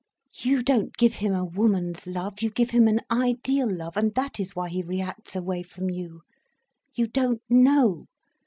You don't give him a woman's love, you give him an ideal love, and that is why he reacts away from you. You don't know.